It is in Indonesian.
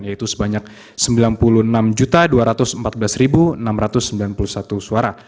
yaitu sebanyak sembilan puluh enam dua ratus empat belas enam ratus sembilan puluh satu suara